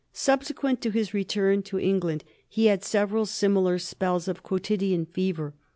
Subsequent to his return to England he had several similar spells of quo tidian fever.